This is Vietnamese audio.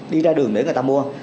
đi ra đường để người ta mua